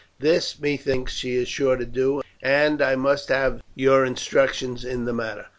This, methinks, she is sure to do, and I must have your instructions in the matter."